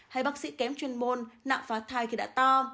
hay bác sĩ kém chuyên môn nặng phá thai khi đã to